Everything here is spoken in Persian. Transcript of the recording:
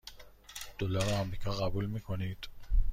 دلار آمریکا قبول می کنید؟